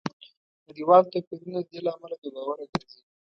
نړیوال توپیرونه د دې له امله بې باوره ګرځي